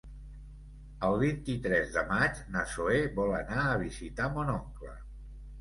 El vint-i-tres de maig na Zoè vol anar a visitar mon oncle.